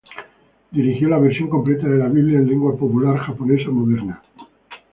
Dirigió la versión completa de la Biblia en lengua popular japonesa moderna.